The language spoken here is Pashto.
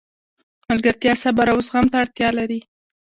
ملګرتیا صبر او زغم ته اړتیا لري.